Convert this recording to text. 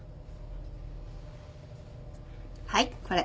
はいこれ。